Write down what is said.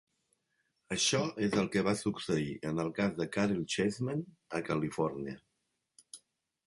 Això és el que va succeir en el cas de Caryl Chessman a Califòrnia.